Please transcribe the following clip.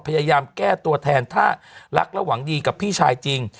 พยายามแก้ตัวแทนถ้ารักและหวังดีกับพี่ชายจริง